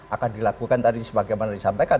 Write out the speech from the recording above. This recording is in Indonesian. akan dilakukan tadi sebagaimana disampaikan